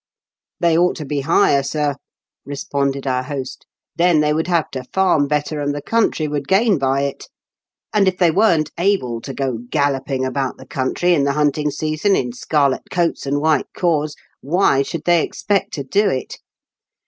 " They ought to be higher, sir," responded our host. "Then they would have to farm better, and the country would gain by it ; and if they weren't able to go galloping about the country in the hunting season in scarlet coats and white cords, why should they expect to do it